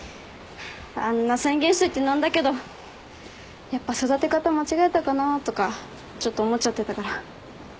あんな宣言しといて何だけどやっぱ育て方間違えたかなとかちょっと思っちゃってたから。